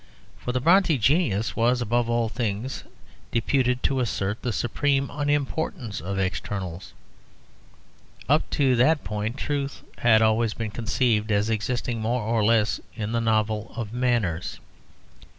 For the Brontë genius was above all things deputed to assert the supreme unimportance of externals. Up to that point truth had always been conceived as existing more or less in the novel of manners.